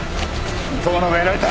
遠野がやられた。